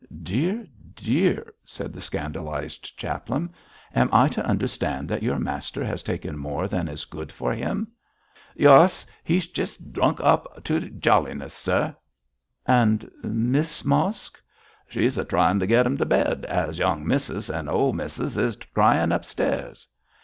'Dear! dear!' said the scandalised chaplain, 'am I to understand that your master has taken more than is good for him?' 'Yuss; he's jist drunk up to jollyness, sir.' 'And Miss Mosk?' 'She's a tryin' to git 'im t' bed, is young missus, an' old missus is cryin' upstairs.'